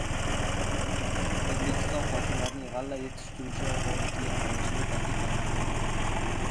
O‘zbekistonda hokimliklarning g‘alla yetishtiruvchilar faoliyatiga aralashuvi taqiqlandi